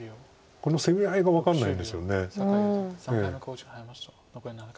この攻め合いが分かんないんですよね。